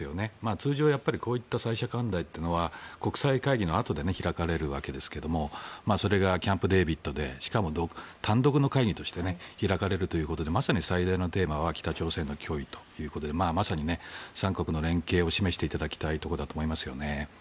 通常こういった３者会談というのは国際会議のあとで開かれるわけですがそれがキャンプデービッドでしかも単独の会議で開かれるということでまさに最大のテーマは北朝鮮の脅威ということでまさに３か国の連携を示していただきたいということだと思いますよね。